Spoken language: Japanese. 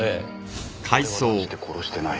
「俺は断じて殺してない」